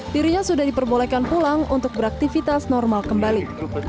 dirinya sudah diperbolehkan pulang untuk beraktivitas normal kembali